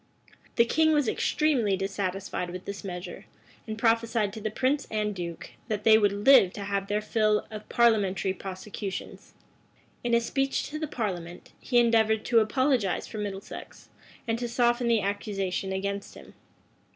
The king was extremely dissatisfied with this measure, and prophesied to the prince and duke, that they would live to have their fill of parliamentary prosecutions.[*] In a speech to the parliament, he endeavored to apologize for Middlesex, and to soften the accusation against him.